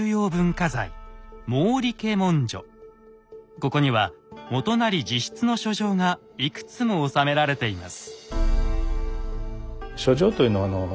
ここには元就自筆の書状がいくつも収められています。